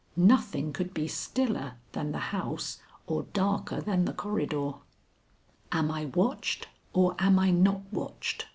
Nothing could be stiller than the house or darker than the corridor. "Am I watched or am I not watched?"